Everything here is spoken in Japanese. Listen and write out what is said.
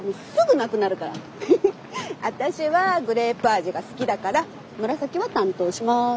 私はグレープ味が好きだから紫は担当します。